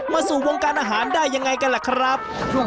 สู่วงการอาหารได้ยังไงกันล่ะครับ